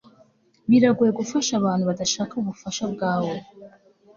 Biragoye gufasha abantu badashaka ubufasha bwawe